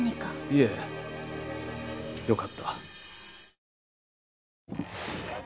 いえよかった。